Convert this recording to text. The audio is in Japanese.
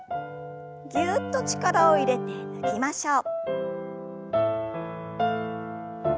ぎゅっと力を入れて抜きましょう。